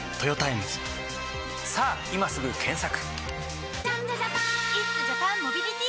さぁ今すぐ検索！